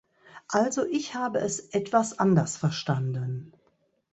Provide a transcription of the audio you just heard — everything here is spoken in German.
Also ich habe es etwas anders verstanden.